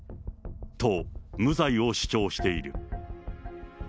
と、無罪を主張している。